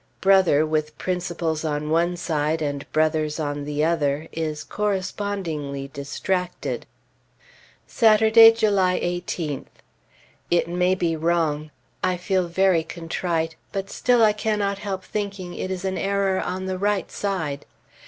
Brother, with principles on one side and brothers on the other, is correspondingly distracted. Saturday, July 18th. It may be wrong; I feel very contrite; but still I cannot help thinking it is an error on the right side.